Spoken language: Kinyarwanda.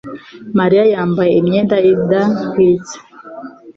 Mariya yambaye imyenda idahwitse.